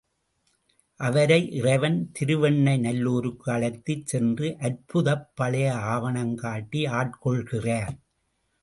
அவரை இறைவன் திருவெண்ணெய் நல்லூருக்கு அழைத்துச் சென்று அற்புதப் பழைய ஆவணம் காட்டி ஆட்கொள்கிறார்.